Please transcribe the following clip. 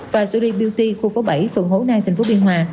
và jolie beauty khu phố bảy phường hồ nai thành phố biên hòa